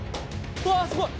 うわあすごい！